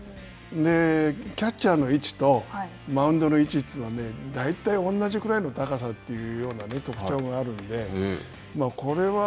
キャッチャーの位置とマウンドの位置というのがね大体同じぐらいの高さというような特徴があるんでこれは、